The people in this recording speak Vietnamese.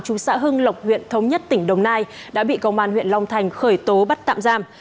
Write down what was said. chú xã hưng lộc huyện thống nhất tỉnh đồng nai đã bị công an huyện long thành khởi tố bắt tạm giam